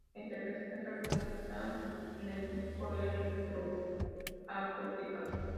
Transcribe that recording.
La interpretación, tal como está en el disco, era electroacústica.